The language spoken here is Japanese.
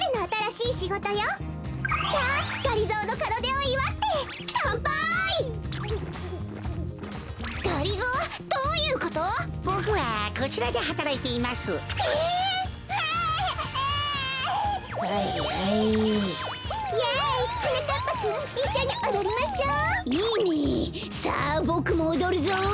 いいねさあボクもおどるぞ！